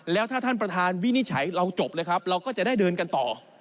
แล้วถ้าท่านประธานวินิจฉัยเราจบเลยครับเราก็จะได้เดินกันต่อ